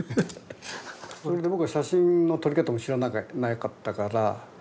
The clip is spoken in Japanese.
それで僕は写真の撮り方も知らなかったから。